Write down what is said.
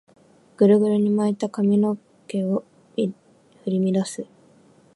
グルグルに巻いた髪の毛を振り乱す